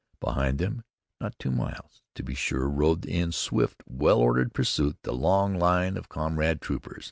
Behind them, not two miles, to be sure, rode in swift, well ordered pursuit the long line of comrade troopers.